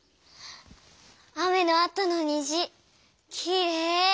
雨のあとのにじきれい。